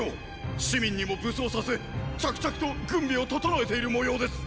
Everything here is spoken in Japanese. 市民にも武装させ着々と軍備を整えているもようです！！